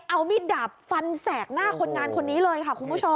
เอามีดดาบฟันแสกหน้าคนงานคนนี้เลยค่ะคุณผู้ชม